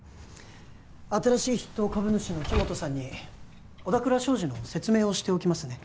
新しい筆頭株主の木元さんに小田倉商事の説明をしておきますね